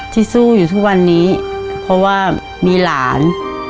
สู้อยู่ทุกวันนี้เพราะว่ามีหลาน